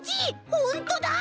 ほんとだ！